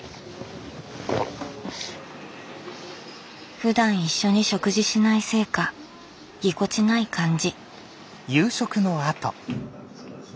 ふだん一緒に食事しないせいかぎこちない感じ。